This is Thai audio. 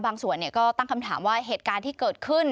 บางส่วนก็ตั้งคำถามว่าเหตุการณ์ที่เกิดขึ้น